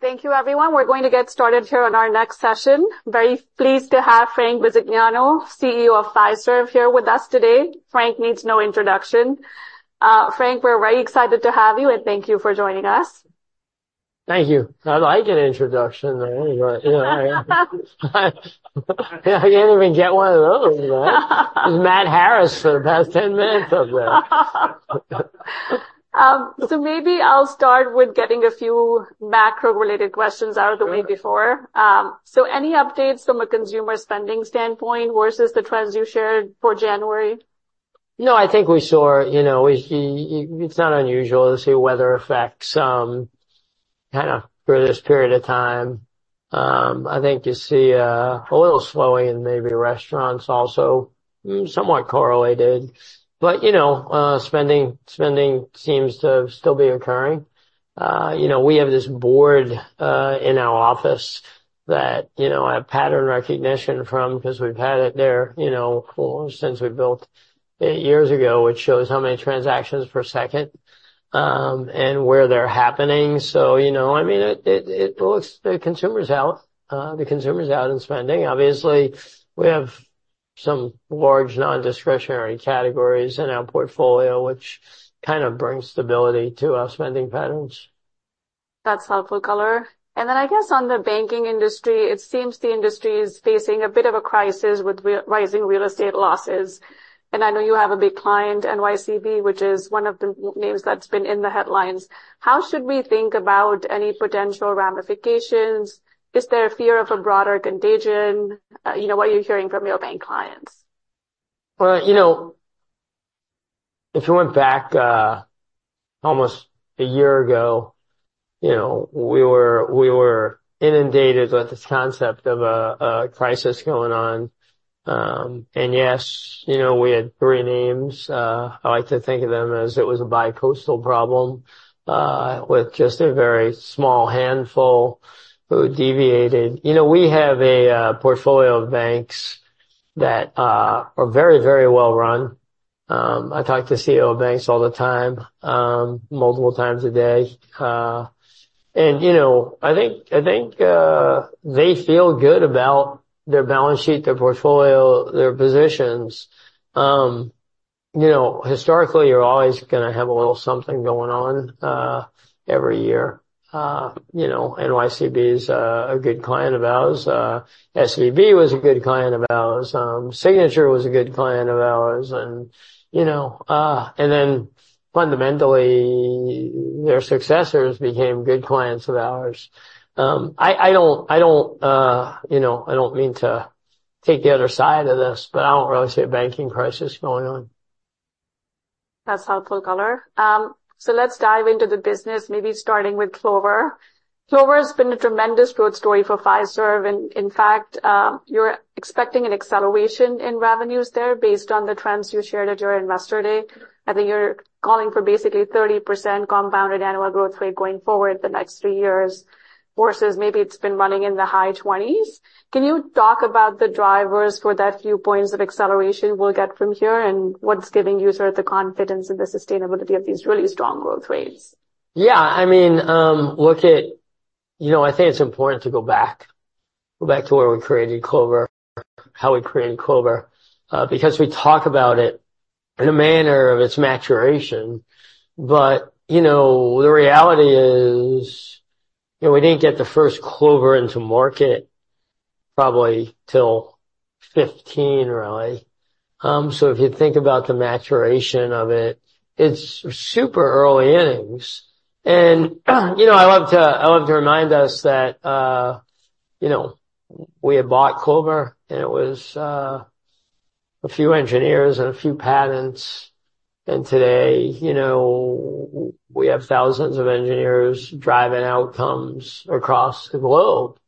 Thank you, everyone. We're going to get started here on our next session. Very pleased to have Frank Bisignano, CEO of Fiserv, here with us today. Frank needs no introduction. Frank, we're very excited to have you, and thank you for joining us. Thank you. I'd like an introduction, anyway, you know, I didn't even get one of those, right? It was Matt Harris for the past 10 minutes up there. So maybe I'll start with getting a few macro-related questions out of the way before. Any updates from a consumer spending standpoint versus the trends you shared for January? No, I think we saw, you know, it, it's not unusual to see weather effects, kinda for this period of time. I think you see a little slowing in maybe restaurants also, somewhat correlated. But, you know, spending, spending seems to still be occurring. You know, we have this board in our office that, you know, I have pattern recognition from because we've had it there, you know, for since we built eight years ago, which shows how many transactions per second and where they're happening. So, you know, I mean, it looks the consumer's out, the consumer's out and spending. Obviously, we have some large non-discretionary categories in our portfolio, which kind of brings stability to our spending patterns. That's helpful color. And then I guess on the banking industry, it seems the industry is facing a bit of a crisis with rising real estate losses. I know you have a big client, NYCB, which is one of the names that's been in the headlines. How should we think about any potential ramifications? Is there a fear of a broader contagion? You know, what are you hearing from your bank clients? Well, you know, if you went back almost a year ago, you know, we were inundated with this concept of a crisis going on. And yes, you know, we had three names. I like to think of them as it was a bicoastal problem with just a very small handful who deviated. You know, we have a portfolio of banks that are very, very well run. I talk to CEO of banks all the time, multiple times a day. And, you know, I think, I think they feel good about their balance sheet, their portfolio, their positions. You know, historically, you're always gonna have a little something going on every year. You know, NYCB is a good client of ours. SVB was a good client of ours. Signature was a good client of ours. And, you know, and then fundamentally, their successors became good clients of ours. I don't mean to take the other side of this, but I don't really see a banking crisis going on. That's helpful color. So let's dive into the business, maybe starting with Clover. Clover has been a tremendous growth story for Fiserv, and in fact, you're expecting an acceleration in revenues there based on the trends you shared at your Investor Day. I think you're calling for basically 30% compounded annual growth rate going forward the next three years, versus maybe it's been running in the high 20s. Can you talk about the drivers for that few points of acceleration we'll get from here, and what's giving you sort of the confidence in the sustainability of these really strong growth rates? Yeah, I mean, look at... You know, I think it's important to go back, go back to where we created Clover, how we created Clover, because we talk about it in a manner of its maturation. But, you know, the reality is, you know, we didn't get the first Clover into market probably till 2015, really. So if you think about the maturation of it, it's super early innings. And, you know, I love to, I love to remind us that, you know, we had bought Clover, and it was a few engineers and a few patents, and today, you know, we have thousands of engineers driving outcomes across the globe.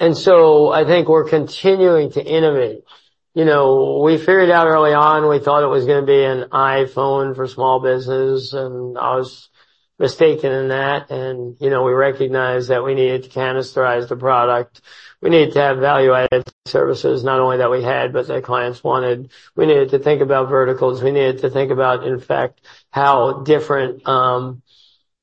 And so I think we're continuing to innovate. You know, we figured out early on, we thought it was gonna be an iPhone for small business, and I was mistaken in that. You know, we recognized that we needed to canisterize the product. We needed to have value-added services, not only that we had, but that clients wanted. We needed to think about verticals. We needed to think about, in fact, how different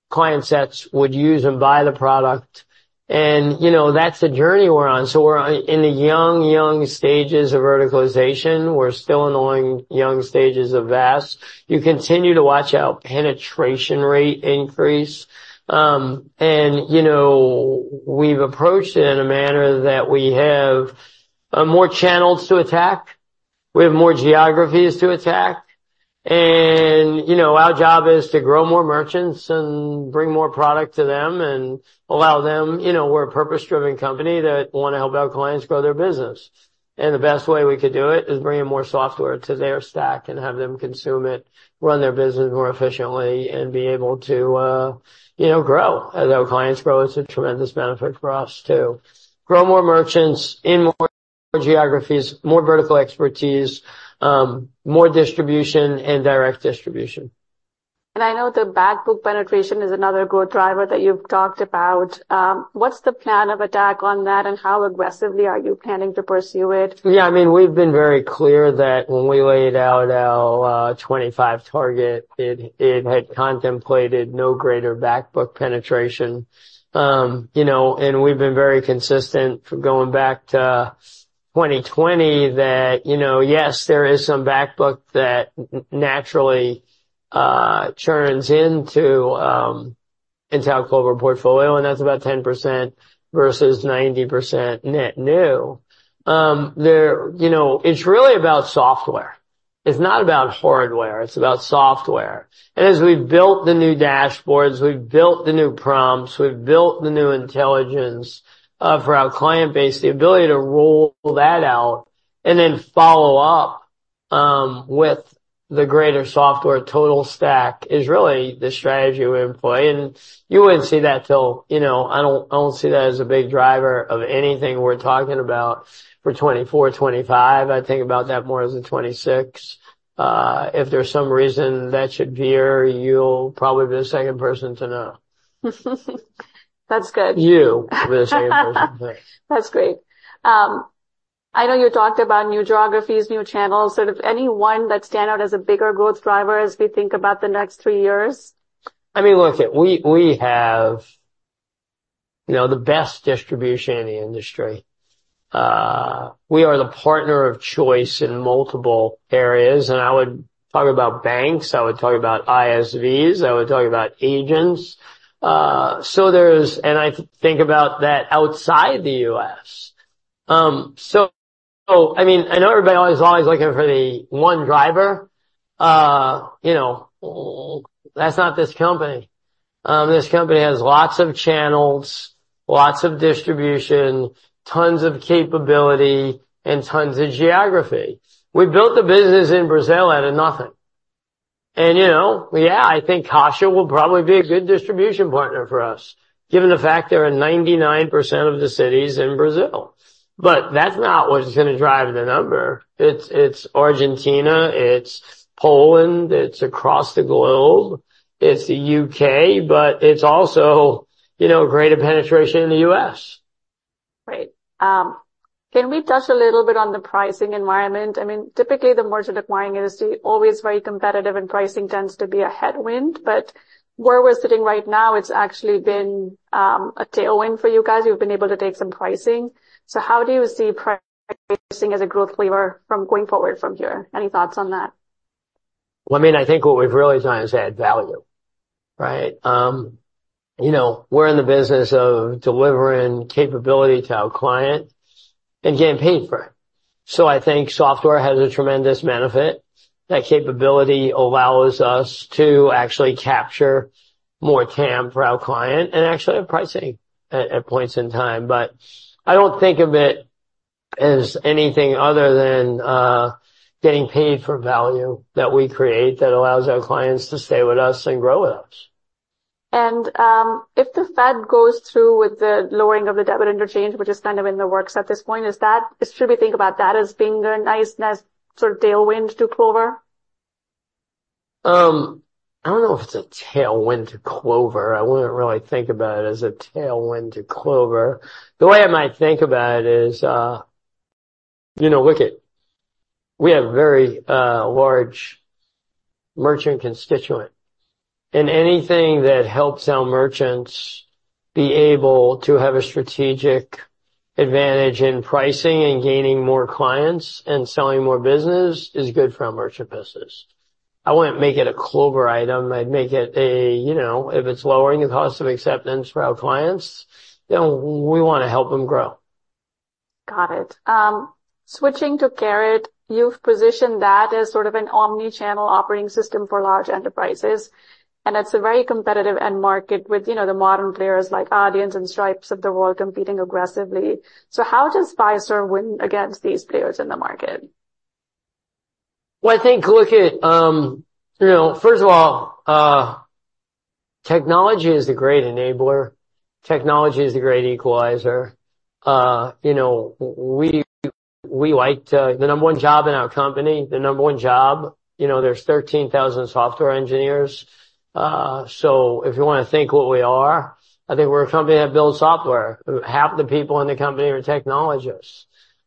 client sets would use and buy the product. And, you know, that's the journey we're on. So we're in the young, young stages of verticalization. We're still in the young, young stages of VaaS. You continue to watch our penetration rate increase. And, you know, we've approached it in a manner that we have more channels to attack, we have more geographies to attack, and, you know, our job is to grow more merchants and bring more product to them and allow them... You know, we're a purpose-driven company that want to help our clients grow their business, and the best way we could do it is bring in more software to their stack and have them consume it, run their business more efficiently, and be able to, you know, grow. As our clients grow, it's a tremendous benefit for us to grow more merchants in more geographies, more vertical expertise, more distribution and direct distribution. ...And I know the back book penetration is another growth driver that you've talked about. What's the plan of attack on that, and how aggressively are you planning to pursue it? Yeah, I mean, we've been very clear that when we laid out our 25 target, it had contemplated no greater Back Book penetration. You know, and we've been very consistent from going back to 2020 that, you know, yes, there is some Back Book that naturally turns into our Clover portfolio, and that's about 10% versus 90% net new. There, you know, it's really about software. It's not about hardware, it's about software. And as we've built the new dashboards, we've built the new prompts, we've built the new intelligence for our client base, the ability to roll that out and then follow up with the greater software total stack is really the strategy we employ. And you wouldn't see that till, you know... I don't, I don't see that as a big driver of anything we're talking about for 2024, 2025. I think about that more as a 2026. If there's some reason that should veer, you'll probably be the second person to know. That's good. You will be the second person to know. That's great. I know you talked about new geographies, new channels, sort of any one that stand out as a bigger growth driver as we think about the next three years? I mean, look, we have, you know, the best distribution in the industry. We are the partner of choice in multiple areas, and I would talk about banks, I would talk about ISVs, I would talk about agents. So, there's, and I think about that outside the U.S. So, I mean, I know everybody is always looking for the one driver. You know, that's not this company. This company has lots of channels, lots of distribution, tons of capability, and tons of geography. We built a business in Brazil out of nothing. You know, yeah, I think Caixa will probably be a good distribution partner for us, given the fact they're in 99% of the cities in Brazil. But that's not what's gonna drive the number. It's Argentina, it's Poland, it's across the globe, it's the U.K., but it's also, you know, greater penetration in the U.S. Right. Can we touch a little bit on the pricing environment? I mean, typically, the merchant acquiring industry, always very competitive, and pricing tends to be a headwind, but where we're sitting right now, it's actually been a tailwind for you guys. You've been able to take some pricing. So how do you see pricing as a growth lever from going forward from here? Any thoughts on that? Well, I mean, I think what we've really done is add value, right? You know, we're in the business of delivering capability to our client and getting paid for it. So I think software has a tremendous benefit. That capability allows us to actually capture more TAM for our client and actually have pricing at points in time. But I don't think of it as anything other than getting paid for value that we create that allows our clients to stay with us and grow with us. If the Fed goes through with the lowering of the debit interchange, which is kind of in the works at this point, is that—should we think about that as being a nice sort of tailwind to Clover? I don't know if it's a tailwind to Clover. I wouldn't really think about it as a tailwind to Clover. The way I might think about it is, you know, look it, we have a very large merchant constituent, and anything that helps our merchants be able to have a strategic advantage in pricing and gaining more clients and selling more business is good for our merchant business. I wouldn't make it a Clover item, I'd make it a, you know, if it's lowering the cost of acceptance for our clients, then we wanna help them grow. Got it. Switching to Carat, you've positioned that as sort of an omni-channel operating system for large enterprises, and it's a very competitive end market with, you know, the modern players like Adyen and Stripe of the world competing aggressively. So how does Fiserv win against these players in the market? Well, I think, look at, you know, first of all, technology is the great enabler. Technology is the great equalizer. You know, we, we like to... The number one job in our company, the number one job, you know, there's 13,000 software engineers. So if you wanna think what we are, I think we're a company that builds software. Half the people in the company are technologists.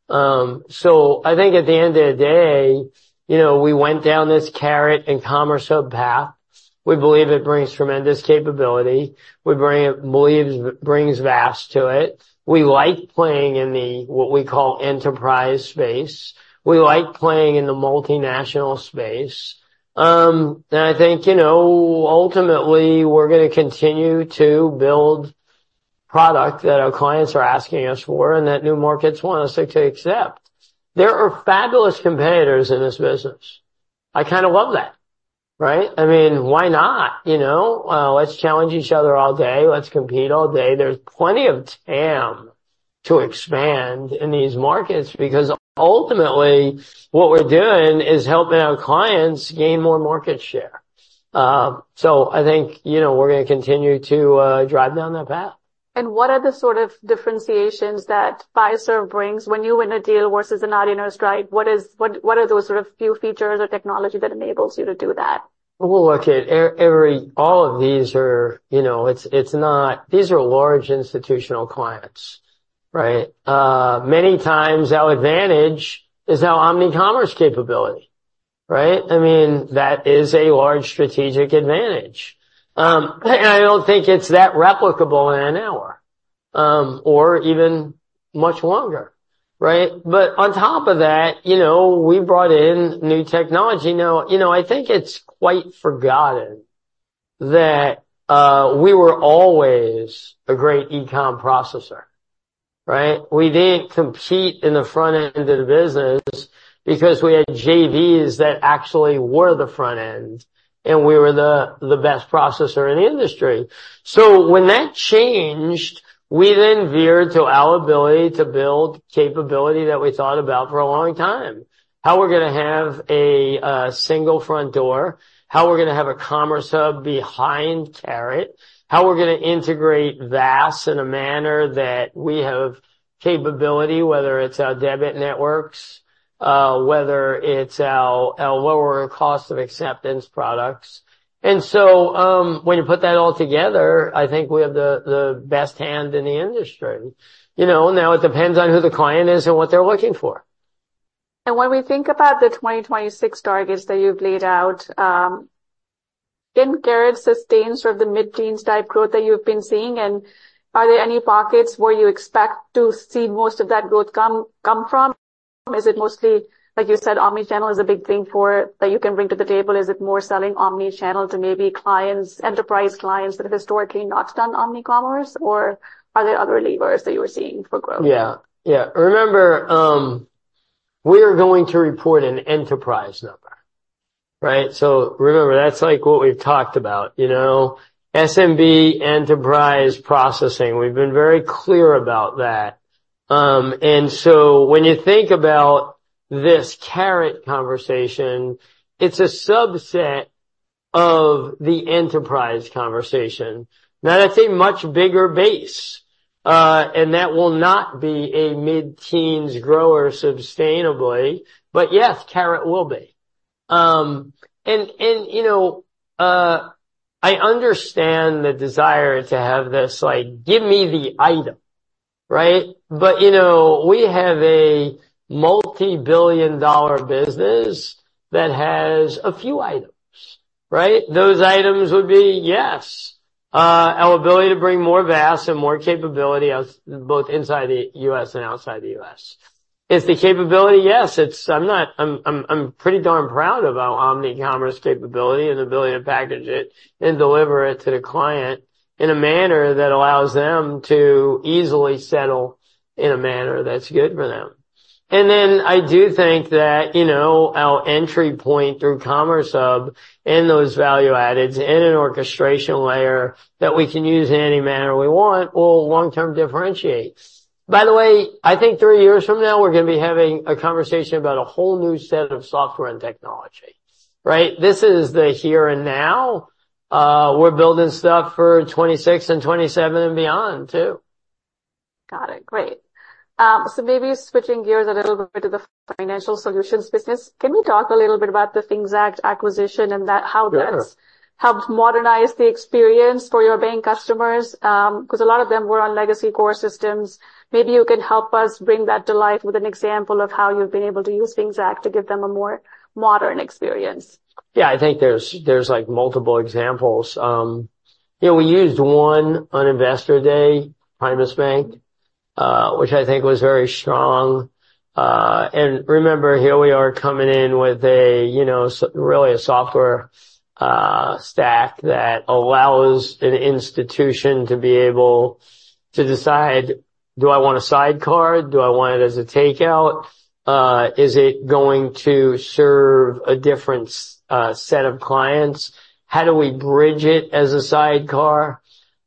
So I think at the end of the day, you know, we went down this Carat and Commerce Hub path. We believe it brings tremendous capability. We bring it, believes- brings VaaS to it. We like playing in the, what we call, enterprise space. We like playing in the multinational space. And I think, you know, ultimately, we're gonna continue to build product that our clients are asking us for and that new markets want us to accept. There are fabulous competitors in this business. I kind of love that, right? I mean, why not, you know? Let's challenge each other all day. Let's compete all day. There's plenty of TAM to expand in these markets, because ultimately, what we're doing is helping our clients gain more market share. So I think, you know, we're gonna continue to drive down that path.... what are the sort of differentiations that Fiserv brings when you win a deal versus an Adyen or Stripe? What are those sort of few features or technology that enables you to do that? Well, look, all of these are, you know, it's not... These are large institutional clients, right? Many times our advantage is our omnicommerce capability, right? I mean, that is a large strategic advantage. And I don't think it's that replicable in an hour, or even much longer, right? But on top of that, you know, we brought in new technology. Now, you know, I think it's quite forgotten that we were always a great e-com processor, right? We didn't compete in the front end of the business because we had JVs that actually were the front end, and we were the best processor in the industry. So when that changed, we then veered to our ability to build capability that we thought about for a long time. How we're gonna have a single front door, how we're gonna have a Commerce Hub behind Carat, how we're gonna integrate VaaS in a manner that we have capability, whether it's our debit networks, whether it's our, our lower cost of acceptance products. And so, when you put that all together, I think we have the, the best hand in the industry. You know, now it depends on who the client is and what they're looking for. When we think about the 2026 targets that you've laid out, can Carat sustain sort of the mid-teens type growth that you've been seeing? And are there any pockets where you expect to see most of that growth come from? Is it mostly, like you said, omnichannel is a big thing for, that you can bring to the table. Is it more selling omnichannel to maybe clients, enterprise clients that have historically not done omnicommerce, or are there other levers that you are seeing for growth? Yeah. Yeah. Remember, we are going to report an enterprise number, right? So remember, that's like what we've talked about, you know, SMB enterprise processing. We've been very clear about that. And so when you think about this Carat conversation, it's a subset of the enterprise conversation. Now, that's a much bigger base, and that will not be a mid-teens grower sustainably. But yes, Carat will be. And, you know, I understand the desire to have this, like, give me the item, right? But, you know, we have a multi-billion dollar business that has a few items, right? Those items would be, yes, our ability to bring more VaaS and more capability as both inside the U.S. and outside the U.S. It's the capability, yes, it's... I'm pretty darn proud of our Omnicommerce capability and ability to package it and deliver it to the client in a manner that allows them to easily settle in a manner that's good for them. And then I do think that, you know, our entry point through Commerce Hub and those value adds and an orchestration layer that we can use in any manner we want, will long-term differentiate. By the way, I think three years from now, we're gonna be having a conversation about a whole new set of software and technology, right? This is the here and now. We're building stuff for 2026 and 2027 and beyond, too. Got it. Great. So maybe switching gears a little bit to the financial solutions business, can you talk a little bit about the Finxact acquisition and that- Yeah. -how that's helped modernize the experience for your bank customers? Because a lot of them were on legacy core systems. Maybe you can help us bring that to life with an example of how you've been able to use Finxact to give them a more modern experience. Yeah, I think there's, there's, like, multiple examples. You know, we used one on Investor Day, Primus Bank, which I think was very strong. And remember, here we are coming in with a, you know, really a software stack that allows an institution to be able to decide, do I want a sidecar? Do I want it as a takeout? Is it going to serve a different set of clients? How do we bridge it as a sidecar?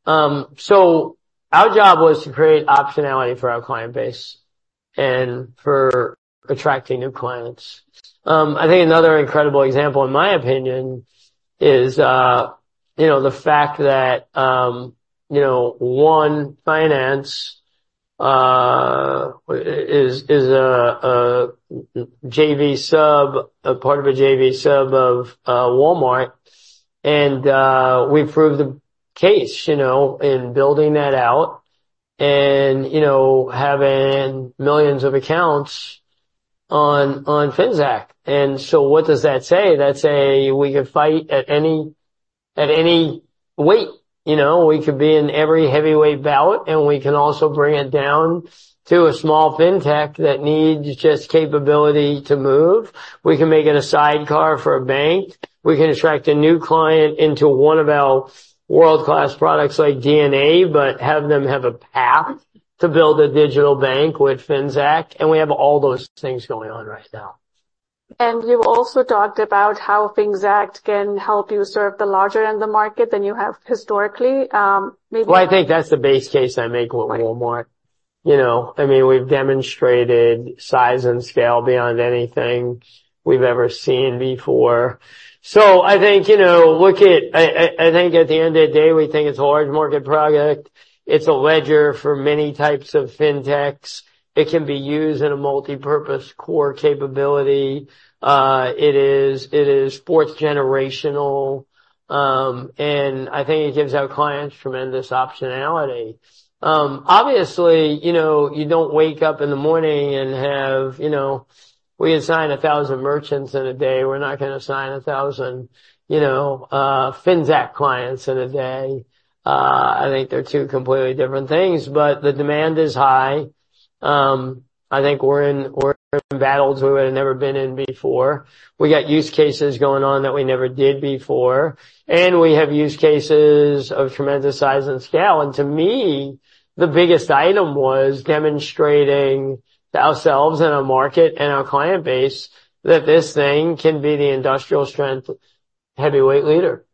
So our job was to create optionality for our client base and for attracting new clients. I think another incredible example, in my opinion, is, you know, the fact that, you know, ONE is a JV sub, a part of a JV sub of Walmart, and we've proved the case, you know, in building that out and having millions of accounts on Finxact. And so what does that say? That says we could fight at any weight, you know? We could be in every heavyweight bout, and we can also bring it down to a small fintech that needs just capability to move. We can make it a sidecar for a bank. We can attract a new client into one of our world-class products, like DNA, but have them have a path to build a digital bank with Finxact, and we have all those things going on right now. You've also talked about how Finxact can help you serve the larger end of the market than you have historically, maybe- Well, I think that's the base case I make with Walmart. You know, I mean, we've demonstrated size and scale beyond anything we've ever seen before. So I think, you know, at the end of the day, we think it's a large market product. It's a ledger for many types of fintechs. It can be used in a multipurpose core capability. It is fourth generational, and I think it gives our clients tremendous optionality. Obviously, you know, you don't wake up in the morning and have, you know, we assign 1,000 merchants in a day. We're not gonna assign 1,000, you know, fintech clients in a day. I think they're two completely different things, but the demand is high. I think we're in battles we had never been in before. We got use cases going on that we never did before, and we have use cases of tremendous size and scale. To me, the biggest item was demonstrating to ourselves in a market and our client base that this thing can be the industrial strength, heavyweight leader.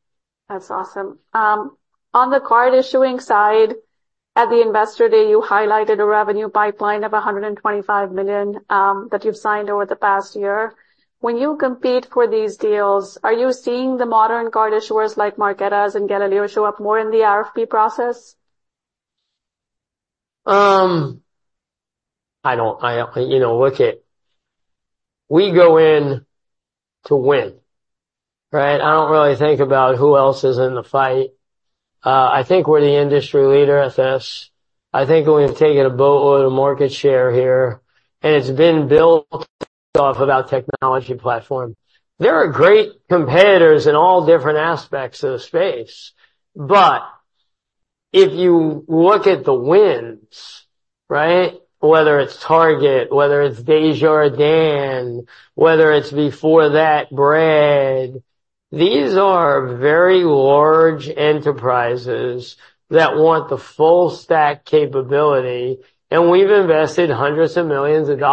That's awesome. On the card issuing side, at the Investor Day, you highlighted a revenue pipeline of $125 million that you've signed over the past year. When you compete for these deals, are you seeing the modern card issuers like Marqeta and Galileo show up more in the RFP process? I don't, you know, look, it, we go in to win, right? I don't really think about who else is in the fight. I think we're the industry leader at this. I think we've taken a boatload of market share here, and it's been built off of our technology platform. There are great competitors in all different aspects of the space, but if you look at the wins, right? Whether it's Target, whether it's Desjardins, whether it's before that, Bread, these are very large enterprises that want the full stack capability, and we've invested $hundreds of millions in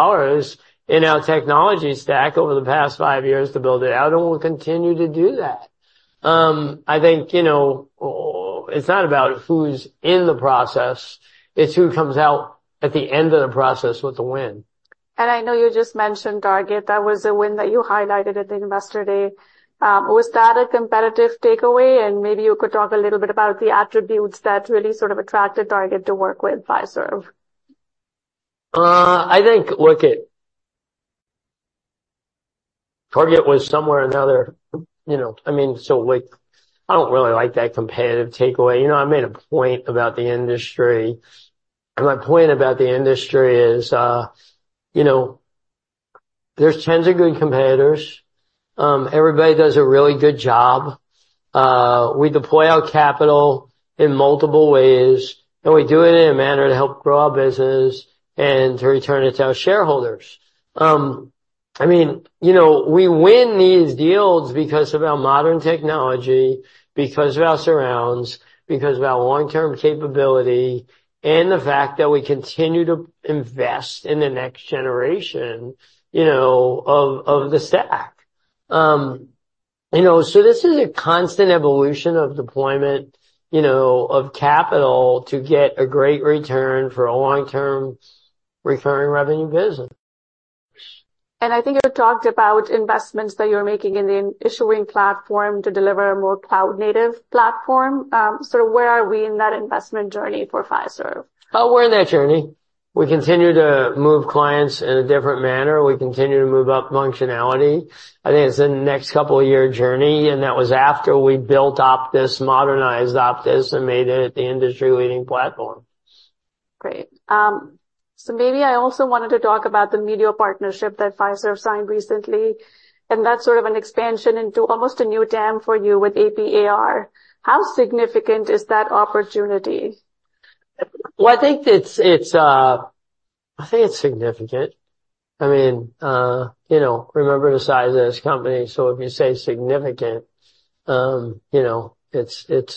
our technology stack over the past five years to build it out, and we'll continue to do that. I think, you know, it's not about who's in the process, it's who comes out at the end of the process with the win. I know you just mentioned Target. That was a win that you highlighted at the Investor Day. Was that a competitive takeaway? Maybe you could talk a little bit about the attributes that really sort of attracted Target to work with Fiserv. I think, look it, Target was somewhere or another, you know, I mean, so, like, I don't really like that competitive takeaway. You know, I made a point about the industry, and my point about the industry is, you know, there's tons of good competitors. Everybody does a really good job. We deploy our capital in multiple ways, and we do it in a manner to help grow our business and to return it to our shareholders. I mean, you know, we win these deals because of our modern technology, because of our surrounds, because of our long-term capability, and the fact that we continue to invest in the next generation, you know, of the stack. You know, so this is a constant evolution of deployment, you know, of capital to get a great return for a long-term recurring revenue business. I think you talked about investments that you're making in the issuing platform to deliver a more cloud-native platform. So where are we in that investment journey for Fiserv? We're in that journey. We continue to move clients in a different manner. We continue to move up functionality. I think it's in the next couple of year journey, and that was after we built Optis, modernized Optis, and made it the industry-leading platform. Great. So maybe I also wanted to talk about the Melio partnership that Fiserv signed recently, and that's sort of an expansion into almost a new domain for you with AP/AR. How significant is that opportunity? Well, I think it's significant. I mean, you know, remember the size of this company, so if you say significant, you know, it's, it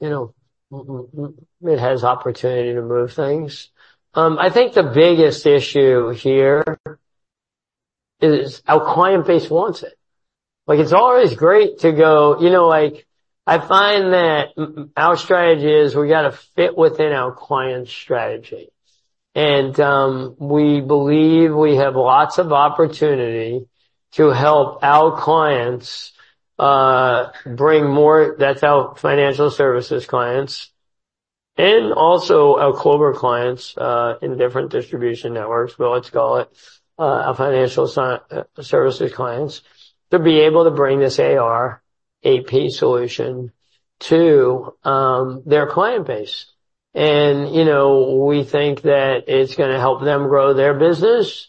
has opportunity to move things. I think the biggest issue here is our client base wants it. Like, it's always great to go... You know, like, I find that our strategy is we gotta fit within our client's strategy. And, we believe we have lots of opportunity to help our clients, bring more, that's our financial services clients, and also our corporate clients, in different distribution networks, but let's call it, our financial services clients, to be able to bring this AR, AP solution to, their client base. You know, we think that it's gonna help them grow their business,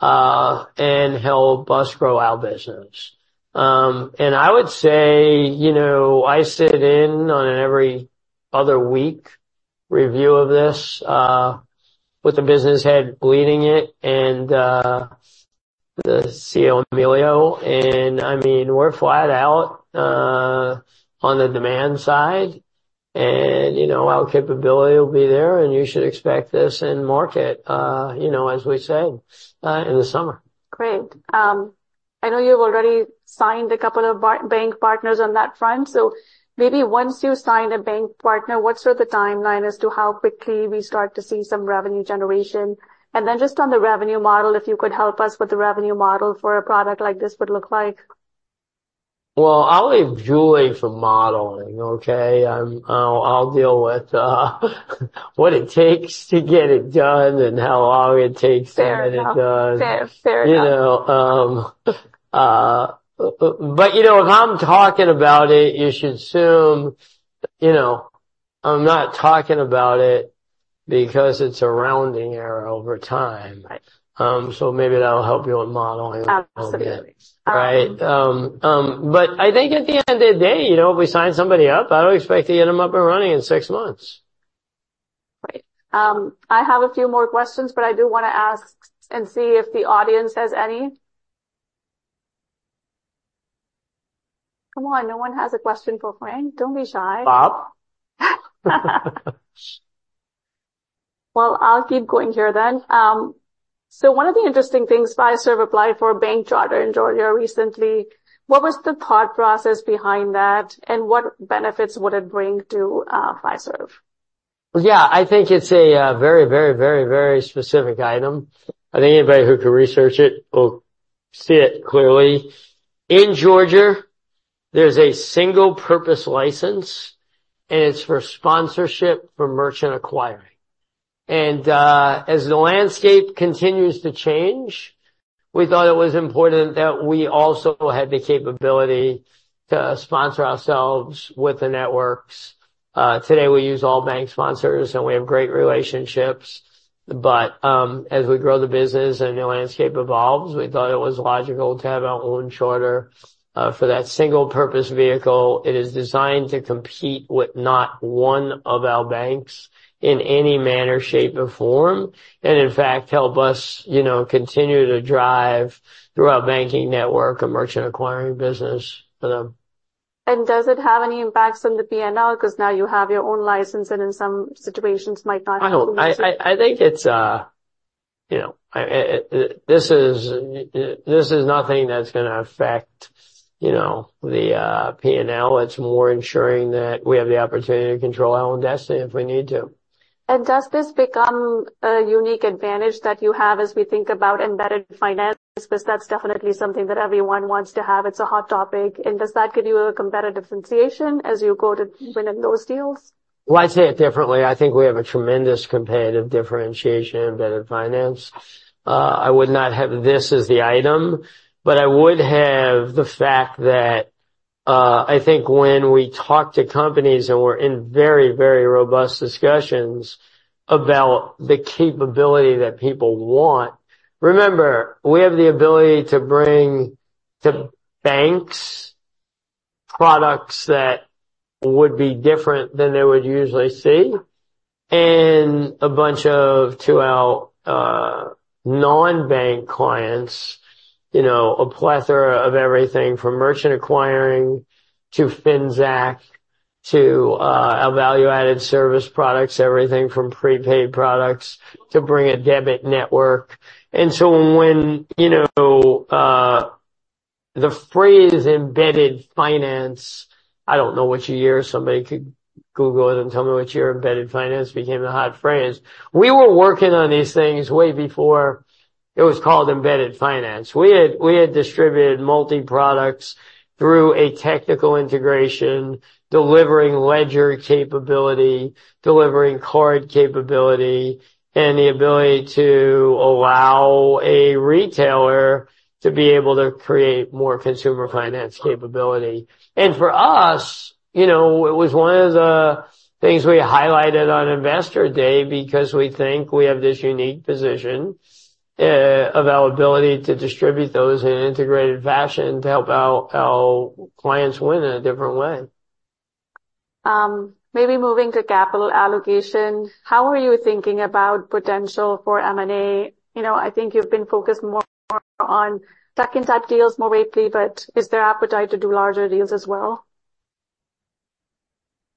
and help us grow our business. I would say, you know, I sit in on an every other week review of this, with the business head leading it and the CEO, Melio, and I mean, we're flat out on the demand side, and you know, our capability will be there, and you should expect this in market, you know, as we say, in the summer. Great, I know you've already signed a couple of bank partners on that front, so maybe once you sign a bank partner, what's sort of the timeline as to how quickly we start to see some revenue generation? And then just on the revenue model, if you could help us with the revenue model for a product like this would look like. Well, I'll leave Julie for modeling, okay? I'll deal with what it takes to get it done and how long it takes to get it done. Fair enough. Fair, fair enough. You know, but you know, if I'm talking about it, you should assume, you know, I'm not talking about it because it's a rounding error over time. Right. Maybe that'll help you with modeling. Absolutely. Right? But I think at the end of the day, you know, if we sign somebody up, I would expect to get them up and running in six months. Right. I have a few more questions, but I do wanna ask and see if the audience has any. Come on, no one has a question for Frank? Don't be shy. Bob? Well, I'll keep going here then. So one of the interesting things, Fiserv applied for a bank charter in Georgia recently. What was the thought process behind that, and what benefits would it bring to, Fiserv? Yeah, I think it's a very, very, very, very specific item. I think anybody who can research it will see it clearly. In Georgia, there's a single purpose license, and it's for sponsorship for merchant acquiring. As the landscape continues to change, we thought it was important that we also had the capability to sponsor ourselves with the networks. Today, we use all bank sponsors, and we have great relationships, but as we grow the business and the landscape evolves, we thought it was logical to have our own charter for that single purpose vehicle. It is designed to compete with not one of our banks in any manner, shape, or form, and in fact, help us, you know, continue to drive through our banking network a merchant acquiring business for them. Does it have any impacts on the P&L, because now you have your own license, and in some situations might not have to- I think it's, you know, this is nothing that's gonna affect, you know, the P&L. It's more ensuring that we have the opportunity to control our own destiny if we need to. Does this become a unique advantage that you have as we think about embedded finance? Because that's definitely something that everyone wants to have. It's a hot topic, and does that give you a competitive differentiation as you go to win in those deals? Well, I'd say it differently. I think we have a tremendous competitive differentiation in embedded finance. I would not have this as the item, but I would have the fact that, I think when we talk to companies and we're in very, very robust discussions about the capability that people want... Remember, we have the ability to bring the banks products that would be different than they would usually see, and a bunch of, to our, non-bank clients, you know, a plethora of everything from merchant acquiring, to Finxact, to, a value-added service products, everything from prepaid products to bring a debit network. And so when, you know, the phrase embedded finance, I don't know which year, somebody could Google it and tell me which year embedded finance became the hot phrase. We were working on these things way before it was called embedded finance. We had distributed multi-products through a technical integration, delivering ledger capability, delivering card capability, and the ability to allow a retailer to be able to create more consumer finance capability. For us, you know, it was one of the things we highlighted on Investor Day because we think we have this unique position of our ability to distribute those in an integrated fashion to help our clients win in a different way. Maybe moving to capital allocation, how are you thinking about potential for M&A? You know, I think you've been focused more on tuck-inside deals more lately, but is there appetite to do larger deals as well?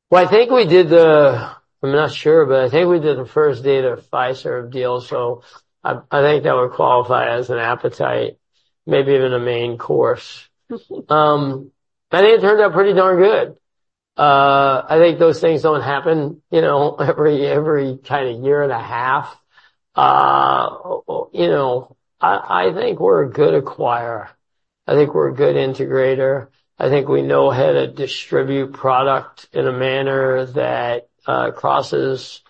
Well, I think we did the First Data Fiserv deal, so I think that would qualify as an appetite, maybe even a main course. I think it turned out pretty darn good. I think those things don't happen, you know, every kind of year and a half. You know, I think we're a good acquirer. I think we're a good integrator. I think we know how to distribute product in a manner that crosses,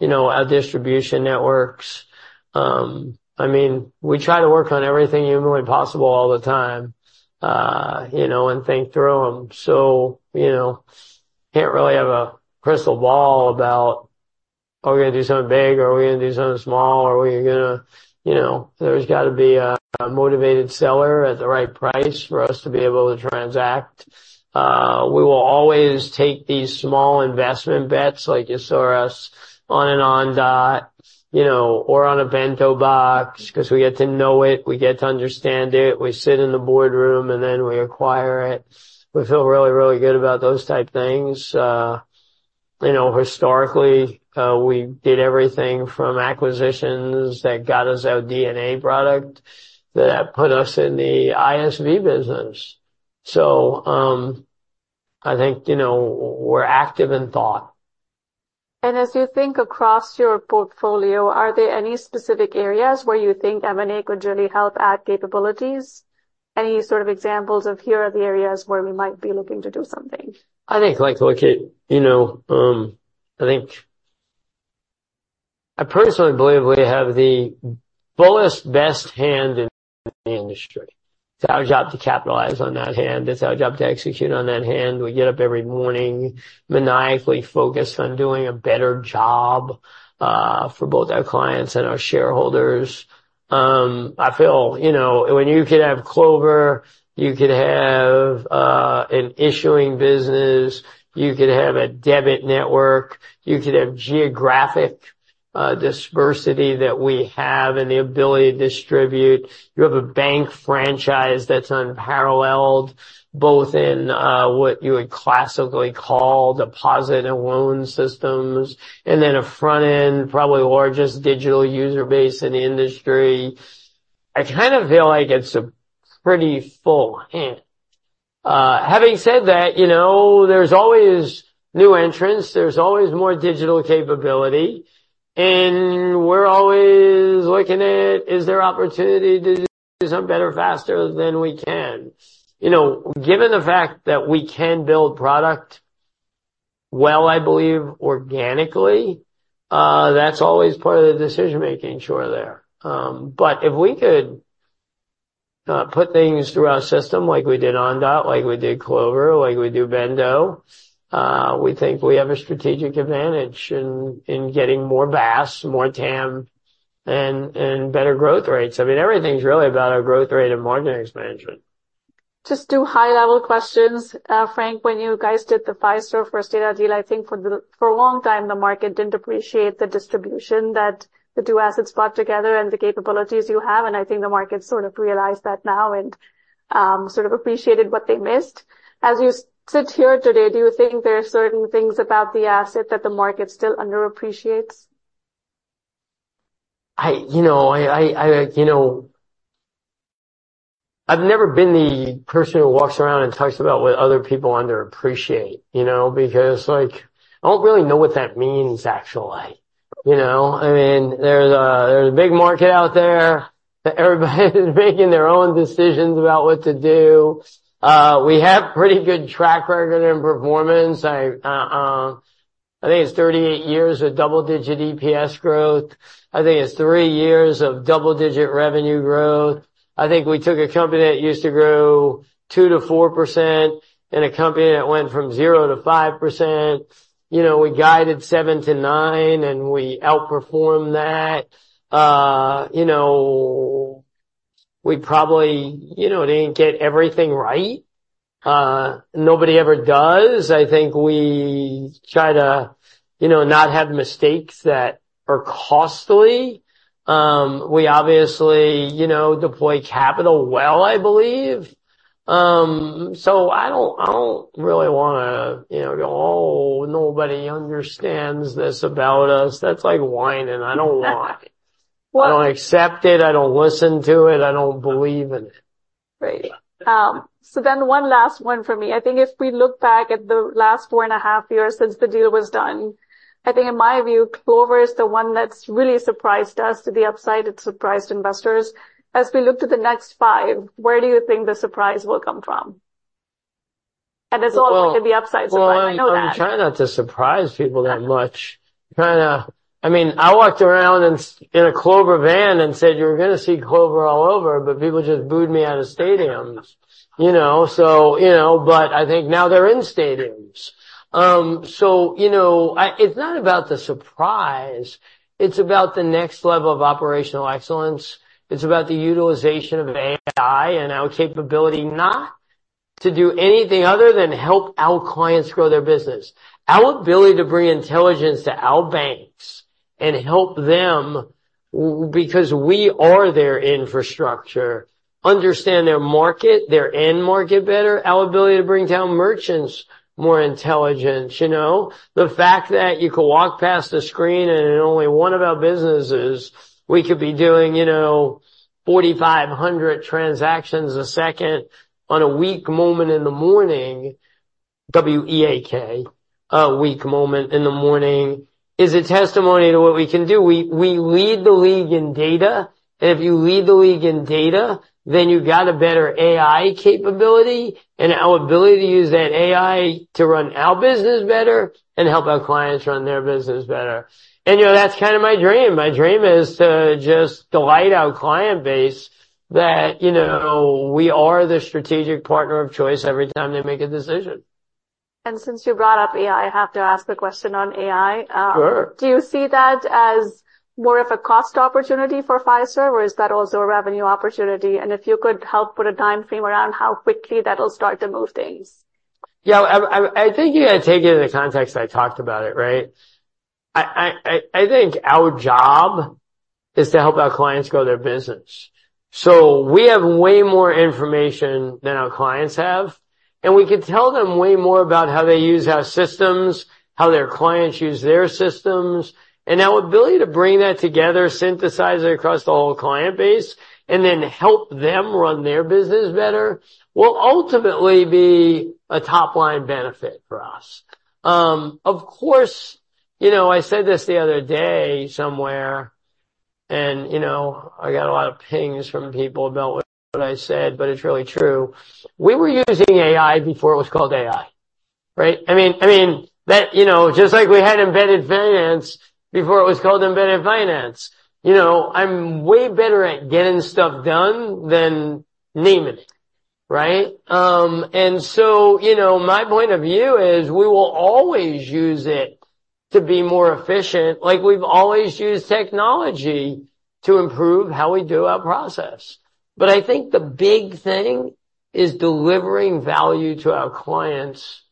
you know, our distribution networks. I mean, we try to work on everything humanly possible all the time, you know, and think through them. So, you know, can't really have a crystal ball about, are we gonna do something big, or are we gonna do something small, or are we gonna, you know? There's got to be a motivated seller at the right price for us to be able to transact. We will always take these small investment bets, like you saw us on an Ondot, you know, or on a BentoBox, because we get to know it, we get to understand it, we sit in the boardroom, and then we acquire it. We feel really, really good about those type things. You know, historically, we did everything from acquisitions that got us our DNA product, that put us in the ISV business. So, I think, you know, we're active in thought. As you think across your portfolio, are there any specific areas where you think M&A could really help add capabilities? Any sort of examples of here are the areas where we might be looking to do something? I think, like, look, you know, I personally believe we have the fullest, best hand in the industry. It's our job to capitalize on that hand, it's our job to execute on that hand. We get up every morning maniacally focused on doing a better job for both our clients and our shareholders. I feel, you know, when you could have Clover, you could have an issuing business, you could have a debit network, you could have geographic dispersity that we have and the ability to distribute. You have a bank franchise that's unparalleled, both in what you would classically call deposit and loan systems, and then a front-end, probably the largest digital user base in the industry. I kind of feel like it's a pretty full hand. Having said that, you know, there's always new entrants, there's always more digital capability, and we're always looking at, is there opportunity to do something better, faster than we can? You know, given the fact that we can build product well, I believe, organically, that's always part of the decision-making sure there. But if we could, put things through our system, like we did Ondot, like we did Clover, like we do Bento, we think we have a strategic advantage in, in getting more VAS, more TAM, and, and better growth rates. I mean, everything's really about our growth rate and market expansion. Just two high-level questions. Frank, when you guys did the Fiserv First Data deal, I think for a long time, the market didn't appreciate the distribution that the two assets brought together and the capabilities you have, and I think the market sort of realized that now and sort of appreciated what they missed. As you sit here today, do you think there are certain things about the asset that the market still underappreciates? You know, I've never been the person who walks around and talks about what other people underappreciate, you know, because, like, I don't really know what that means, actually. You know, I mean, there's a big market out there, that everybody is making their own decisions about what to do. We have pretty good track record and performance. I think it's 38 years of double-digit EPS growth. I think it's 3 years of double-digit revenue growth. I think we took a company that used to grow 2 to 4% and a company that went from 0 to 5%. You know, we guided 7 to 9%, and we outperformed that. You know, we probably, you know, didn't get everything right. Nobody ever does. I think we try to, you know, not have mistakes that are costly. We obviously, you know, deploy capital well, I believe. So I don't, I don't really wanna, you know, go, "Oh, nobody understands this about us." That's like whining, I don't whine. Well- I don't accept it, I don't listen to it, I don't believe in it. Right. So then one last one for me. I think if we look back at the last 4.5 years since the deal was done, I think in my view, Clover is the one that's really surprised us to the upside, it surprised investors. As we look to the next 5, where do you think the surprise will come from? And it's also could be upside, so I know that. Well, I'm trying not to surprise people that much. Kinda... I mean, I walked around in a Clover van and said, "You're gonna see Clover all over," but people just booed me out of stadiums. You know, so, you know, but I think now they're in stadiums. So, you know, it's not about the surprise, it's about the next level of operational excellence. It's about the utilization of AI and our capability, not to do anything other than help our clients grow their business. Our ability to bring intelligence to our banks and help them, because we are their infrastructure, understand their market, their end market better, our ability to bring down merchants more intelligence, you know? The fact that you could walk past a screen and in only one of our businesses, we could be doing, you know, 4,500 transactions a second on a weak moment in the morning, W-E-A-K, a weak moment in the morning, is a testimony to what we can do. We, we lead the league in data, and if you lead the league in data, then you've got a better AI capability, and our ability to use that AI to run our business better and help our clients run their business better. And, you know, that's kind of my dream. My dream is to just delight our client base that, you know, we are the strategic partner of choice every time they make a decision. Since you brought up AI, I have to ask the question on AI. Sure. Do you see that as more of a cost opportunity for Fiserv, or is that also a revenue opportunity? If you could help put a time frame around how quickly that'll start to move things. Yeah, I think you gotta take it in the context I talked about it, right? I think our job is to help our clients grow their business. So we have way more information than our clients have, and we can tell them way more about how they use our systems, how their clients use their systems, and our ability to bring that together, synthesize it across the whole client base, and then help them run their business better, will ultimately be a top-line benefit for us. Of course, you know, I said this the other day somewhere, and, you know, I got a lot of pings from people about what I said, but it's really true. We were using AI before it was called AI, right? I mean, that, you know, just like we had embedded finance before it was called embedded finance. You know, I'm way better at getting stuff done than naming it, right? You know, my point of view is, we will always use it to be more efficient, like we've always used technology to improve how we do our process. But I think the big thing is delivering value to our clients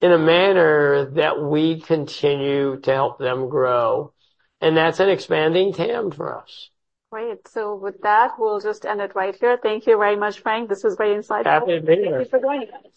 in a manner that we continue to help them grow, and that's an expanding TAM for us. Great. So with that, we'll just end it right here. Thank you very much, Frank. This is very insightful. Happy to be here. Thank you for joining us.